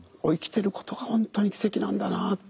生きてることが本当に奇跡なんだなあ。